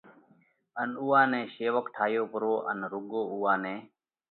ان اُوئا نئہ شيوڪ ٺايو پرو، نہ رُوڳو اُوئا نئہ